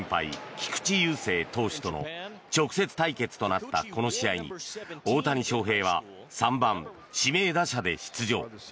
菊池雄星投手との直接対決となったこの試合に大谷翔平は３番指名打者で出場。